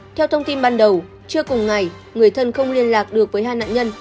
theo thông tin ban đầu trưa cùng ngày người thân không liên lạc được với hai nạn nhân